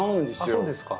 あっそうですか。